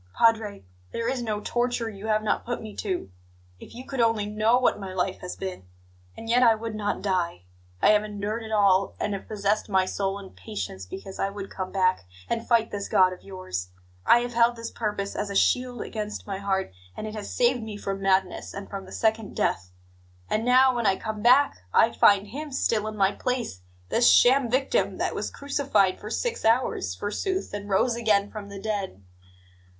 Padre, there is no torture you have not put me to; if you could only know what my life has been! And yet I would not die! I have endured it all, and have possessed my soul in patience, because I would come back and fight this God of yours. I have held this purpose as a shield against my heart, and it has saved me from madness, and from the second death. And now, when I come back, I find Him still in my place this sham victim that was crucified for six hours, forsooth, and rose again from the dead!